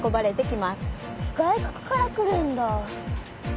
外国から来るんだ！